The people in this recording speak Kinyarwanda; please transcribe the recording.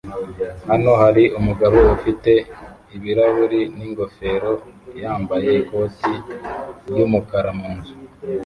Hano hari umugabo ufite ibirahuri n'ingofero yambaye ikoti ry'umukara mu nzu